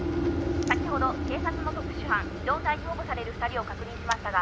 「先ほど警察の特殊班機動隊に保護される２人を確認しましたが」